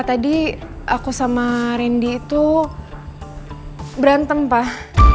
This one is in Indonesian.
tadi aku sama rindy itu berantem pak